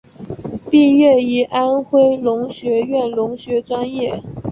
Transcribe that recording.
毕业于安徽农学院农学专业。